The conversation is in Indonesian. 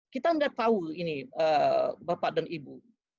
kita nggak tahu ini bapak dan ibu